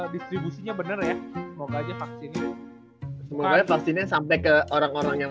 distribusinya bener ya semoga aja vaksin semoga vaksinnya sampai ke orang orang yang